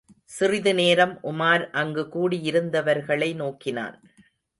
சிறிது நேரம் உமார் அங்கு கூடியிருந்தவர்களை நோக்கினான்.